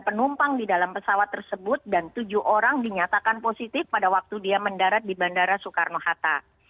penumpang di dalam pesawat tersebut dan tujuh orang dinyatakan positif pada waktu dia mendarat di bandara soekarno hatta